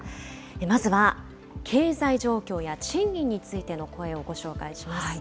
まずは経済状況や賃金についての声をご紹介します。